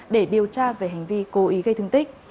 để điều tra về hành vi cố ý gây thương tích